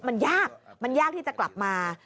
มันยากที่จะกลับมา